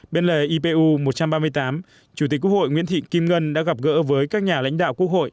bên lề ipu một trăm ba mươi tám chủ tịch quốc hội nguyễn thị kim ngân đã gặp gỡ với các nhà lãnh đạo quốc hội